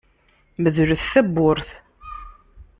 Medlet tawwurt.